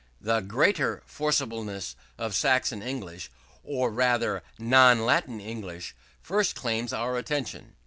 The greater forcibleness of Saxon English, or rather non Latin English, first claims our attention.